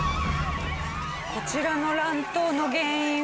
こちらの乱闘の原因は。